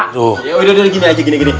tuh yaudah gini aja gini gini